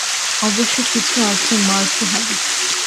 অবশ্য কিছু আছে মারফূ হাদীস।